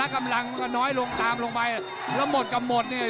กำลังก็น้อยลงตามลงไปแล้วหมดกับหมดเนี่ย